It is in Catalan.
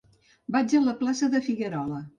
Vaig a la plaça de Figuerola.